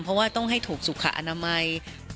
เพราะว่าต้องให้ถูกสุขอนามัย